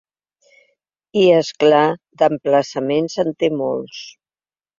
I, és clar, d’emplaçaments en té molts.